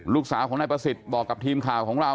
ลูกสาวของนายประสิทธิ์บอกกับทีมข่าวของเรา